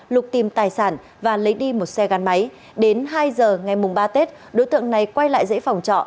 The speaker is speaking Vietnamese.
lục tìm tài sản và lấy đi một xe gắn máy đến hai giờ ngày ba tết đối tượng này quay lại dễ phòng trọ